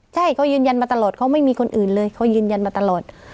ใช่เขายืนยันมาตลอดเขาไม่มีคนอื่นเลยเขายืนยันมาตลอด